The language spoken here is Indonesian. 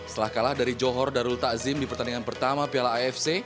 setelah kalah dari johor darul takzim di pertandingan pertama piala afc